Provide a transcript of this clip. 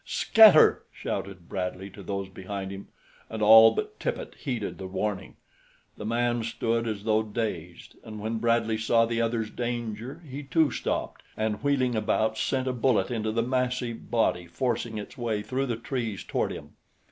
"Scatter!" shouted Bradley to those behind him; and all but Tippet heeded the warning. The man stood as though dazed, and when Bradley saw the other's danger, he too stopped and wheeling about sent a bullet into the massive body forcing its way through the trees toward him.